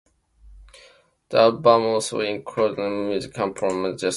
The album also included Nashville musicians Paul Martin and Justin Weaver.